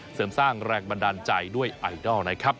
เสริมสร้างแรงบันดาลใจด้วยไอดอลนะครับ